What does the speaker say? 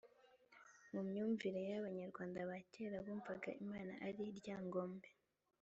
mu myumvire y abanyarwanda ba kera bumvaga imana ari ryangombe